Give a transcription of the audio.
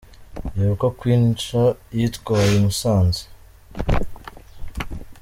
Reba uko Queen Cha yitwaye i Musanze.